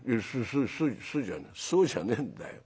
そうじゃねえんだよ。